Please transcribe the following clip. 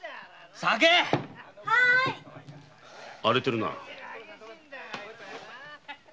荒れてるな。